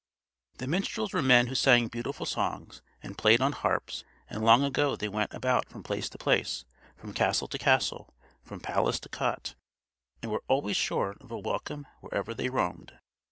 The minstrels were men who sang beautiful songs and played on harps; and long ago they went about from place to place, from castle to castle, from palace to cot, and were always sure of a welcome wherever they roamed.